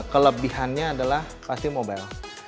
kelebihannya adalah pasti mobile